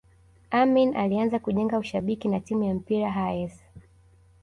Amin alianza kujenga ushabiki na timu ya mpira ya Hayes